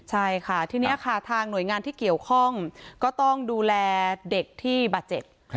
ใช่ค่ะทีนี้ค่ะทางหน่วยงานที่เกี่ยวข้องก็ต้องดูแลเด็กที่บาดเจ็บ